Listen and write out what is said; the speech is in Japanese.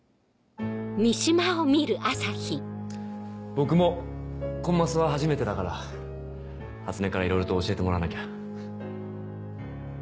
僕もコンマスは初めてだから初音からいろいろと教えてもらわなきゃ。